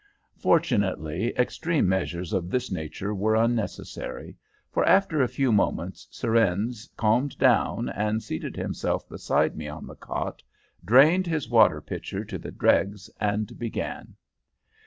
Fortunately, extreme measures of this nature were unnecessary, for after a few moments Surrennes calmed down, and seating himself beside me on the cot, drained his water pitcher to the dregs, and began.